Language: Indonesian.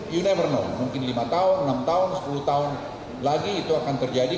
you never know mungkin lima tahun enam tahun sepuluh tahun lagi itu akan terjadi